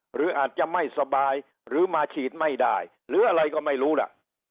หรืออาจจะไม่สบายหรือมาฉีดไม่ได้หรืออะไรก็ไม่รู้ล่ะ